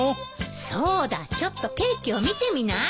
そうだちょっとケーキを見てみない？